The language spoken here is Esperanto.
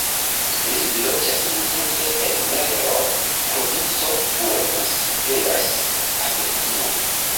Li loĝas nuntempe en Merlo, provinco Buenos Aires, Argentino.